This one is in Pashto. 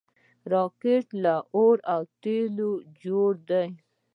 راکټ له اور او تیلو جوړ دی